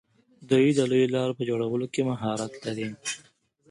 دوی د لویو لارو په جوړولو کې مهارت لري.